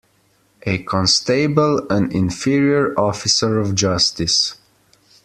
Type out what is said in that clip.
A constable an inferior officer of justice.